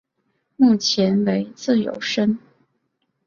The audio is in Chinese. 目前为自由身。